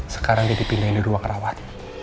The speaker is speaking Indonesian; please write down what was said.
sekarang dia dipindahin di ruang rawat